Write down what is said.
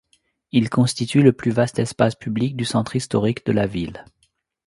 Il constitue le plus vaste espace public du centre historique de la ville.